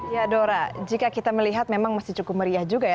ya dora jika kita melihat memang masih cukup meriah juga ya